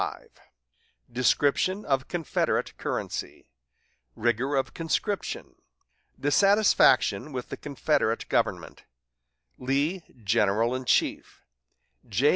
XXXV Depreciation of Confederate Currency Rigor of Conscription Dissatisfaction with the Confederate Government Lee General in Chief J.